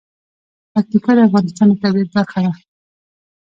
پکتیکا د افغانستان د طبیعت برخه ده.